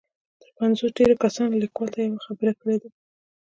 تر پنځوس ډېرو کسانو ليکوال ته يوه خبره کړې ده.